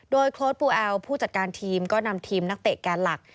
โดยโค้ดปูแอลผู้จัดการทีมก็นำทีมนักเตะแกนหลัก